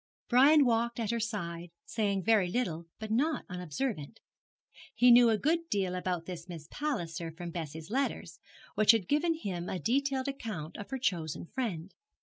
Brian walked at her side, saying very little, but not unobservant. He knew a good deal about this Miss Palliser from Bessie's letters, which had given him a detailed account of her chosen friend.